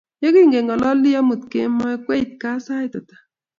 Yekingalalee amut kemoi, kweit gaa sait ata?